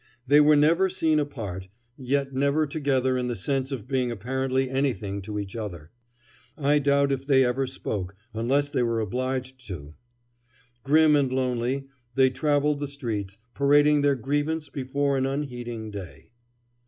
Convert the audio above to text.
They were never seen apart, yet never together in the sense of being apparently anything to each other. I doubt if they ever spoke, unless they were obliged to. Grim and lonely, they traveled the streets, parading their grievance before an unheeding day.